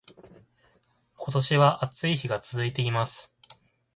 今年は暑い日が続いています